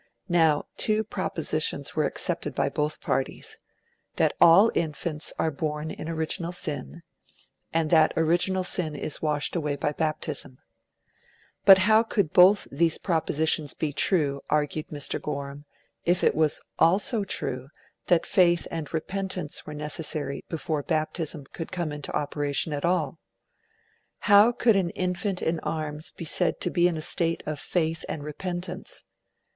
Now, two propositions were accepted by both parties that all infants are born in original sin, and that original sin could be washed away by baptism. But how could both these propositions be true, argued Mr. Gorham, if it was also true that faith and repentance were necessary before baptism could come into operation at all? How could an infant in arms be said to be in a state of faith and repentance?